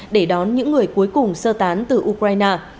để đón những người cuối cùng sơ tán từ ukraine